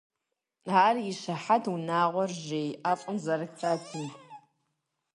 Ар и щыхьэтт унагъуэр жей ӀэфӀым зэрыхэтым.